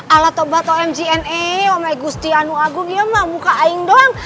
ala tobat om gna om legusti anu agung ya mabuka aing doang